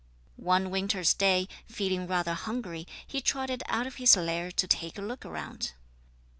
One winter's day, feeling rather hungry, he trotted out of his lair to take a look round.